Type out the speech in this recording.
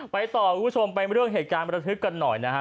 ไปต่อคุณผู้ชมไปเรื่องเหตุการณ์ประทึกกันหน่อยนะฮะ